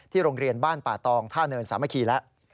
โรงเรียนบ้านป่าตองท่าเนินสามัคคีแล้ว